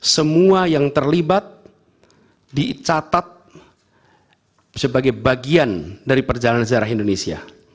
semua yang terlibat dicatat sebagai bagian dari perjalanan sejarah indonesia